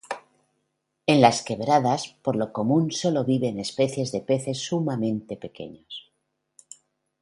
En las quebradas, por lo común, sólo viven especies de peces sumamente pequeños.